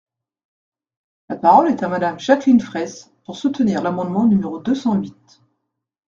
La parole est à Madame Jacqueline Fraysse, pour soutenir l’amendement numéro deux cent huit.